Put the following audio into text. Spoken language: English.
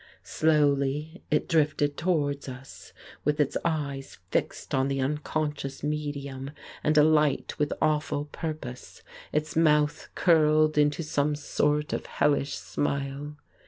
Slowly it drifted towards us, with its eyes fixed on the unconscious medium and alight with awful pur pose, its mouth curled into some sort of hellish smile.